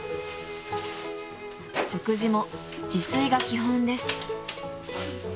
［食事も自炊が基本です］